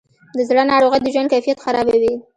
د زړه ناروغۍ د ژوند کیفیت خرابوي.